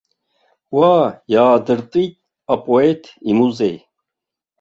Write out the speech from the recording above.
Уа иаадыртит апоет имузеи.